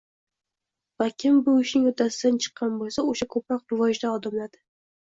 Va kim bu ishning uddasidan chiqqan bo‘lsa, o‘sha ko‘proq rivojda odimladi.